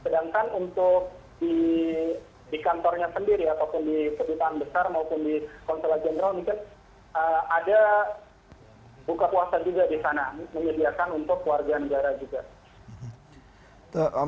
sedangkan untuk di kantornya sendiri ataupun di kedutaan besar maupun di konsulat jenderal mungkin ada buka puasa juga di sana menyediakan untuk warga negara juga